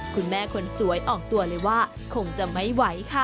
คุณแม่คนสวยออกตัวเลยว่าคงจะไม่ไหวค่ะ